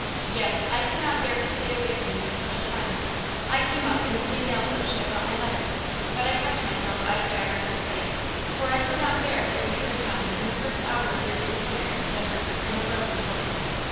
"Yes, I could not bear to stay away from you at such a time; I came up in the same mail coach that brought my letter; but I kept myself out of Traverse's sight, for I could not bear to intrude upon you in the first hour of your disappointment," said Herbert, in a broken voice.